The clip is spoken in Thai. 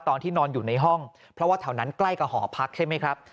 ตอนที่นอนอยู่ในห้องเพราะว่าแถวนั้นใกล้กับหอพักใช่ไหมครับ